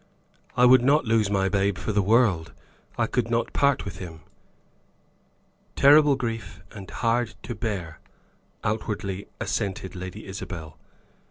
"I would not lose my babe for the world! I could not part with him." "Terrible grief, and hard to bear," outwardly assented Lady Isabel.